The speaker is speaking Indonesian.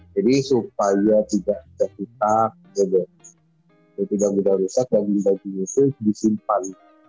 jadi supaya tidak rusak daging daging itu disimpan